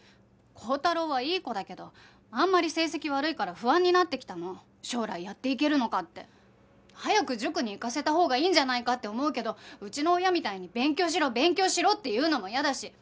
高太郎はいい子だけどあんまり成績悪いから不安になってきたの将来やっていけるのかって。早く塾に行かせたほうがいいんじゃないかって思うけどうちの親みたいに「勉強しろ勉強しろ」って言うのも嫌だし。